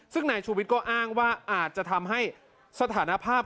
ซึ่งนายชูวิทย์ก็อ้างว่าอาจจะทำให้สถานภาพ